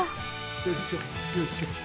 よいしょよいしょ。